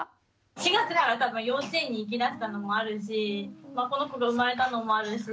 ４月から多分幼稚園に行きだしたのもあるしこの子が生まれたのもあるし